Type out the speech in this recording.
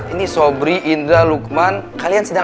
ini sobri indra lukman kalian sedang